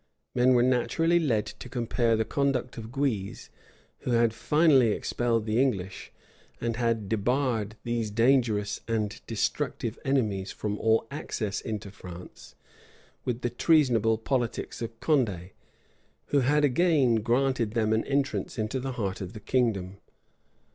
Men were naturally led to compare the conduct of Guise, who had finally expelled the English, and had debarred these dangerous and destructive enemies from all access into France, with the treasonable politics of Condé, who had again granted them an entrance into the heart of the kingdom.